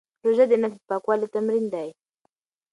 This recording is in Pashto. روژه د نفس د پاکوالي تمرین دی.